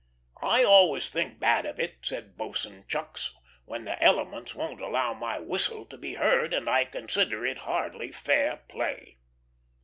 "I always think bad of it," said Boatswain Chucks, "when the elements won't allow my whistle to be heard; and I consider it hardly fair play."